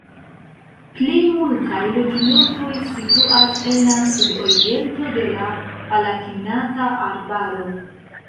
Plej multaj loĝlokoj situas en la sudoriento de la Palatinata Arbaro.